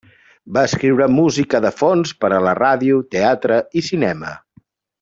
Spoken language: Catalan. Va escriure música de fons per a la ràdio, teatre i cinema.